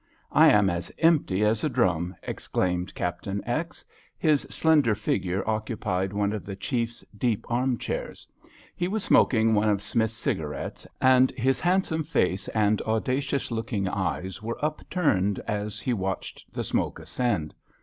"I am as empty as a drum," exclaimed Captain X. His slender figure occupied one of the Chief's deep armchairs. He was smoking one of Smith's cigarettes, and his handsome face and audacious looking eyes were upturned as he watched the smoke ascend.